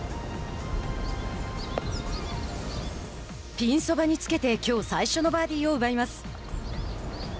ピンそばにつけてきょう最初のバーディーを奪います。